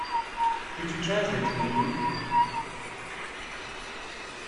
Could you translate for me?